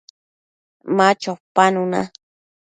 Ma chopanuna